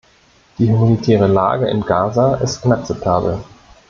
Die humanitäre Lage in Gaza ist inakzeptabel.